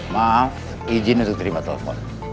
maaf izin untuk terima telepon